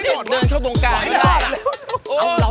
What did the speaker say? อดเดินเข้าตรงกลางไม่ได้